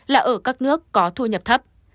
là ở các nước có thu nhập